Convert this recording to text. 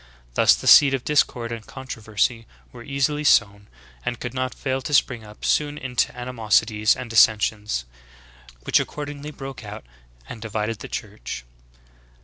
Thus the seeds of discord and controversy were eas ily sown, and could not fail to spring up soon into animos ities and dissensions, which accordingly broke out and divid ed the Church.'"